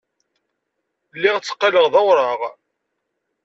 Lliɣ tteqqaleɣ d awraɣ.